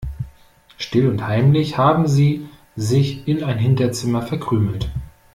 Still und heimlich haben sie sich in ein Hinterzimmer verkrümelt.